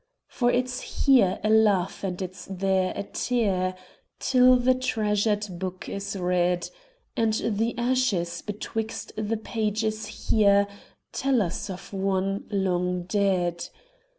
For it's here a laugh and it's there a tear, Till the treasured book is read; And the ashes betwixt the pages here Tell us of one long dead.